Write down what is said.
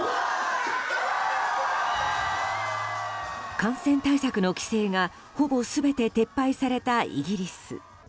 感染対策の規制がほぼ全て撤廃されたイギリス。